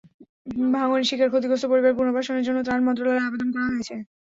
ভাঙনের শিকার ক্ষতিগ্রস্ত পরিবারের পুনর্বাসনের জন্য ত্রাণ মন্ত্রণালয়ে আবেদন করা হয়েছে।